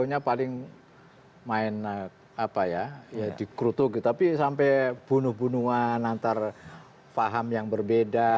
jauhnya paling main apa ya ya dikrutuk gitu tapi sampai bunuh bunuhan antara faham yang berbeda